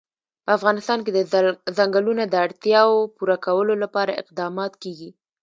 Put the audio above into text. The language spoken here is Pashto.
په افغانستان کې د ځنګلونه د اړتیاوو پوره کولو لپاره اقدامات کېږي.